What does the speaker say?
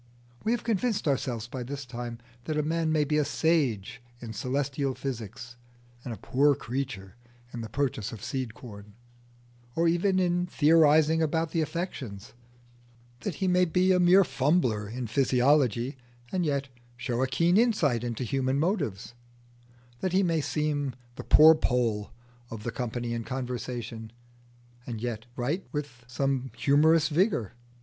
We have convinced ourselves by this time that a man may be a sage in celestial physics and a poor creature in the purchase of seed corn, or even in theorising about the affections; that he may be a mere fumbler in physiology and yet show a keen insight into human motives; that he may seem the "poor Poll" of the company in conversation and yet write with some humorous vigour.